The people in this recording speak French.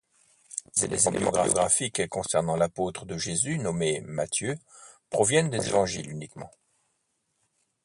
Les éléments biographiques concernant l'apôtre de Jésus nommé Matthieu proviennent des Évangiles uniquement.